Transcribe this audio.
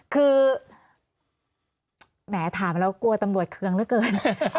คือแหมถามแล้วกลัวตำรวจเคืองเหลือเกิน